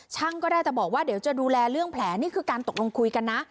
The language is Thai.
ก็ได้แต่บอกว่าเดี๋ยวจะดูแลเรื่องแผลนี่คือการตกลงคุยกันนะ